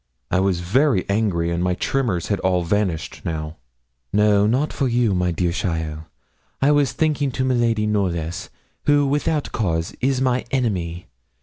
I was very angry, and my tremors had all vanished now. 'No, not for you, dear cheaile; I was thinking to miladi Knollys, who, without cause, is my enemy.